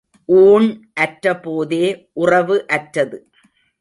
ஊண் அற்ற போதே உறவு அற்றது.